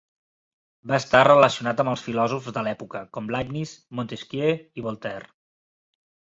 Va estar relacionat amb els filòsofs de l'època, com Leibniz, Montesquieu i Voltaire.